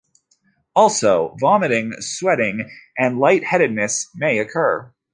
Also, vomiting, sweating, and lightheadedness may occur.